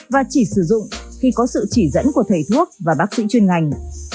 và chỉ sử dụng khi có sự chỉ dẫn của thầy thuốc và bác sĩ chuyên ngành